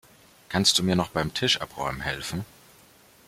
Kannst du mir noch beim Tisch abräumen helfen?